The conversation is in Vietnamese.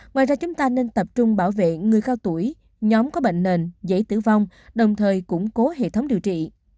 ngoài ra chúng ta nên tập trung bảo vệ người cao tuổi nhóm có bệnh nền dễ tử vong đồng thời củng cố hệ thống điều trị